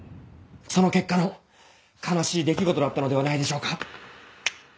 その結果の悲しい出来事だったのではないでしょうか？